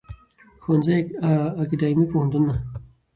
ښوونځی اکاډیمی پوهنتونونه